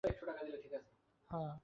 আমরা থাকতে তোকে জেলে কে নিয়ে যাবে।